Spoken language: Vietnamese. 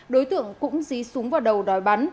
đối tượng cũng dí súng vào đầu đòi bắn